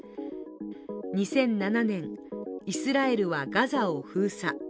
２００７年、イスラエルはガザを封鎖。